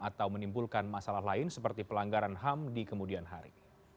atau menimbulkan masalah lain seperti pelanggaran ham di kemudian hari